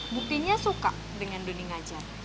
buktinya suka dengan don yang ngajar